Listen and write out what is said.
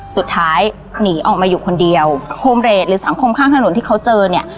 สุดท้ายหนีออกมาอยู่คนเดียวโฮมเรทหรือสังคมข้างถนนที่เขาเจอเนี่ย